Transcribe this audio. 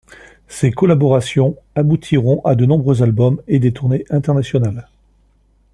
Ces collaborations aboutiront à de nombreux albums et des tournées internationales.